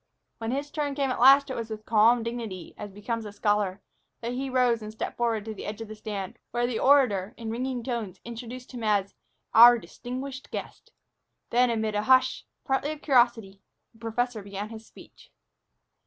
When his turn came at last, it was with calm dignity, as becomes a scholar, that he rose and stepped forward to the edge of the stand, where the orator, in ringing tones, introduced him as "our distinguished guest." Then, amid a hush, partly of curiosity, the professor began his speech.